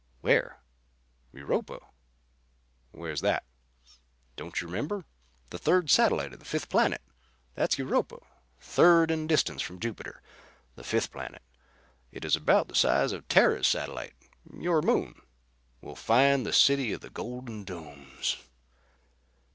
"Where?" "Europa." "Where's that?" "Don't you remember? The third satellite of the fifth planet. That's Europa, third in distance from Jupiter, the fifth planet. It is about the size of Terra's satellite your Moon. We'll find the city of the golden domes."